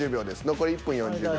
残り１分４０秒。